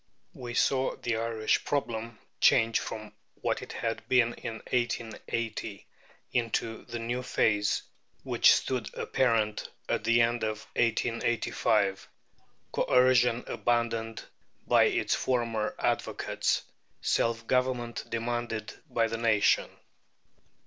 We saw the Irish problem change from what it had been in 1880 into the new phase which stood apparent at the end of 1885, Coercion abandoned by its former advocates, Self government demanded by the nation.